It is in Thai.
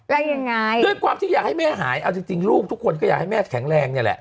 แล้วยังไงด้วยความที่อยากให้แม่หายเอาจริงลูกทุกคนก็อยากให้แม่แข็งแรงเนี่ยแหละ